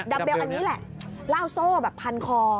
เบลอันนี้แหละล่าโซ่แบบพันคอ